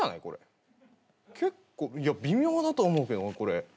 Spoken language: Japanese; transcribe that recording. これ結構微妙だと思うけどなこれ。